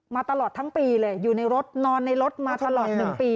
ตลอดทั้งปีเลยอยู่ในรถนอนในรถมาตลอด๑ปี